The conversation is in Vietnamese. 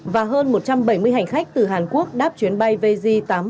và hơn một trăm bảy mươi hành khách từ hàn quốc đáp chuyến bay vj tám trăm bảy mươi